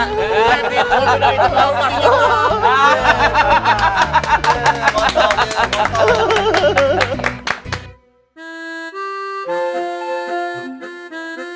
kalau sudah itu kamu masih nyokong